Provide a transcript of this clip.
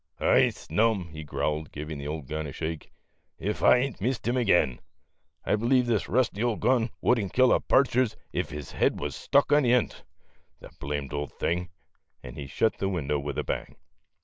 "I snuni," he growled, giving the old gun a shake, " ef I hain't missed him again. I believe this rusty ole gun would n't kill a partridge ef his head wuz stuck in the end on 't, the blamed old thing," and he shut the window with a bang.